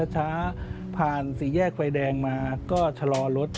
ช้าผ่านสี่แยกไฟแดงมาก็ชะลอรถ